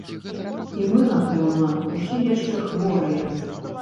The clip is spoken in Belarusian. І мы, напэўна, усе яшчэ хворыя.